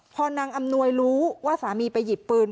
พอนางอำนวยรู้ว่าสามีไปหยิบปืน